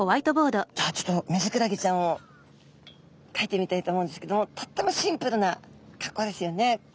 じゃあちょっとミズクラゲちゃんをかいてみたいと思うんですけどもとってもシンプルな格好ですよね。